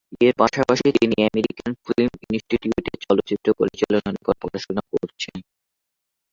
এর পাশাপাশি তিনি আমেরিকান ফিল্ম ইনস্টিটিউট এ চলচ্চিত্র পরিচালনার উপর পড়াশোনা করেছেন।